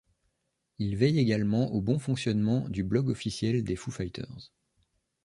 Il veille également au bon fonctionnement du blog officiel des Foo Fighters.